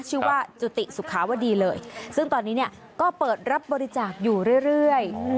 ชื่อว่าจุติสุขาวดีเลยซึ่งตอนนี้เนี่ยก็เปิดรับบริจาคอยู่เรื่อย